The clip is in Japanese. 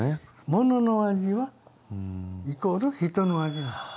ものの味はイコール人の味なの。